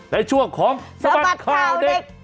ในช่วงของสมัครเท่าเด็ก